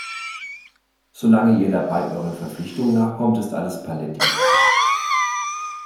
Solange ihr dabei euren Verpflichtungen nachkommt, ist alles paletti.